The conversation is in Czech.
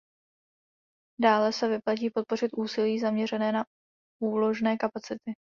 Dále se vyplatí podpořit úsilí zaměřené na úložné kapacity.